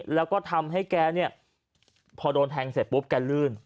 แล้วก็ทำให้แกเนี่ยพอโดนแทงเสร็จปุ๊บแกลื่น